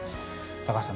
高橋さん